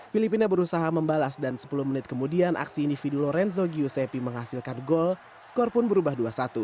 filipina berusaha membalas dan sepuluh menit kemudian aksi individu lorenzogiosepi menghasilkan gol skor pun berubah dua satu